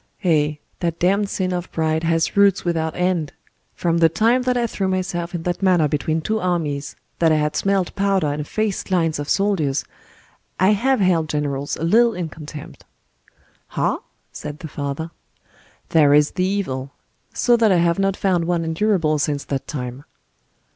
"Eh! that damned sin of pride has roots without end. From the time that I threw myself in that manner between two armies, that I had smelt powder and faced lines of soldiers, I have held generals a little in contempt." "Ah!" said the father. "There is the evil; so that I have not found one endurable since that time."